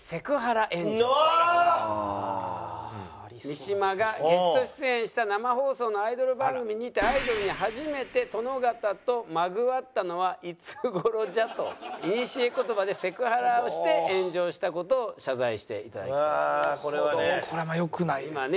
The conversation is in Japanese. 三島がゲスト出演した生放送のアイドル番組にてアイドルに「初めて殿方とまぐわったのはいつ頃じゃ？」と古言葉でセクハラをして炎上した事を謝罪していただきたいと思います。